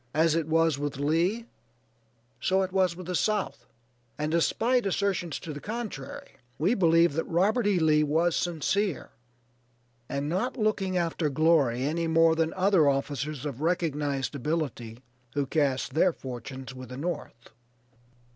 As it was with Lee, so it was with the South, and despite assertions to the contrary, we believe that Robert E. Lee was sincere, and not looking after glory any more than other officers of recognized ability, who cast their fortunes with the North.